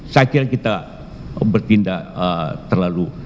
saya kira kita bertindak terlalu